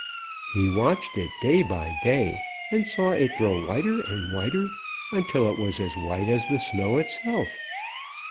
He watched it day by day and saw it grow whiter and whiter until it was as white as the snow itself.